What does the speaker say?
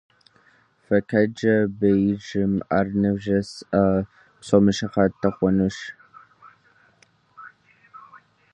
Фыкъеджэ беижьым: ар нывжесӀэ псоми щыхьэт техъуэнущ.